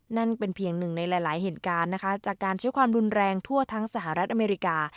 นั่นเป็นเพียงหนึ่งในหลายเหตุการณ์นะคะจากการใช้ความรุนแรงทั่วทั้งสหรัฐอเมริกา